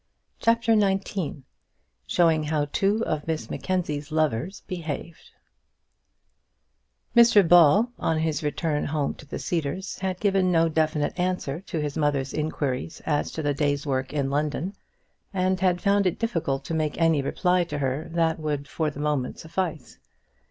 CHAPTER XIX Showing How Two of Miss Mackenzie's Lovers Behaved Mr Ball, on his return home to the Cedars, had given no definite answer to his mother's inquiries as to the day's work in London, and had found it difficult to make any reply to her that would for the moment suffice.